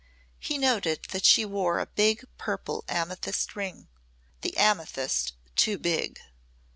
He noted that she wore a big purple amethyst ring the amethyst too big.